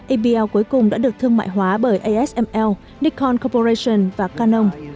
abl cuối cùng đã được thương mại hóa bởi asml nikon corporation và canon